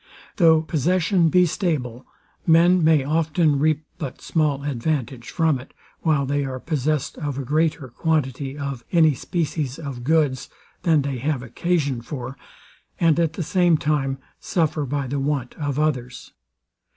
Though possession be stable, men may often reap but small advantage from it, while they are possessed of a greater quantity of any species of goods than they have occasion for, and at the same time suffer by the want of others.